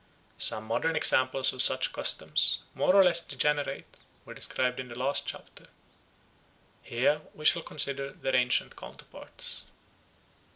Some modern examples of such customs, more or less degenerate, were described in the last chapter. Here we shall consider their ancient counterparts.